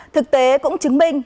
thực tế cũng chứng minh